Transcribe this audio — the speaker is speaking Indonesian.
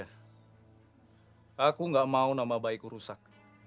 pak aku nggak mau nama baikku rusak